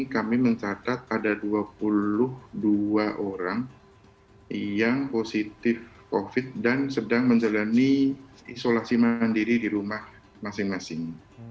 kami mencatat ada dua puluh dua orang yang positif covid dan sedang menjalani isolasi mandiri di rumah masing masing